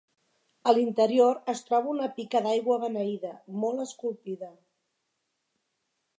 A l'interior es troba una pica d'aigua beneïda molt esculpida.